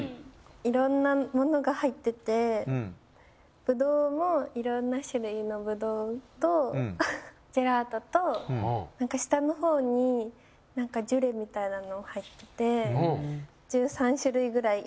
いろんなものが入っててぶどうもいろんな種類のぶどうとジェラートと下のほうにジュレみたいなのが入ってて。